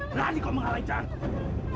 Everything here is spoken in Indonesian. berani kau mengalahin cahaya